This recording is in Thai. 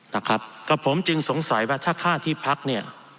นะครับกับผมจึงสงสัยว่าถ้าค่าที่พักเนี่ย